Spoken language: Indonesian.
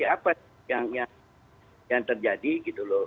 apa yang terjadi gitu loh